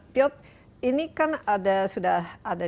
piot ini kan sudah ada